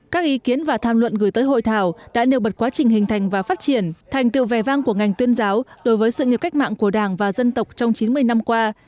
các ý kiến và tham luận gửi tới hội thảo đã nêu bật quá trình hình thành và phát triển thành tựu vẻ vang của ngành tuyên giáo đối với sự nghiệp cách mạng của đảng và dân tộc trong chín mươi năm qua